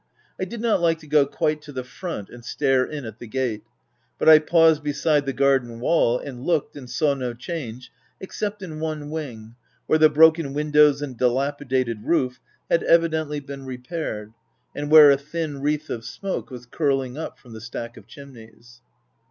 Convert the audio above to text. I did not like to go quite to the front and stare in at the gate ; but I paused beside the garden wall, and looked, and saw no change — except in one wing, where the broken windows and dilapidated roof had evidently been repaired, and where a thin wreath of smoke was curling up from the stack of chimneys.